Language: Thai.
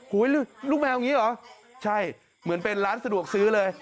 ลูกแมวอย่างนี้เหรอใช่เหมือนเป็นร้านสะดวกซื้อเลย